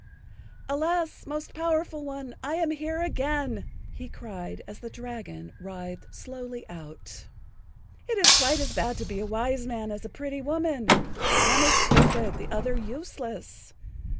"Alas, Most Powerful One, I am here again," he cried, as the dragon writhed[Pg 68] slowly out. "It is quite as bad to be a wise man as a pretty woman—one is stupid, the other useless.